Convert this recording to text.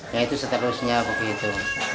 nah itu seterusnya begitu